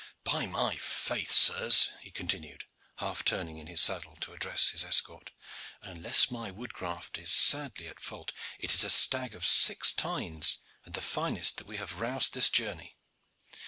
"By my faith, sirs," he continued, half turning in his saddle to address his escort, "unless my woodcraft is sadly at fault, it is a stag of six tines and the finest that we have roused this journey.